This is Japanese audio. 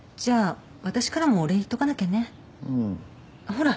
ほら。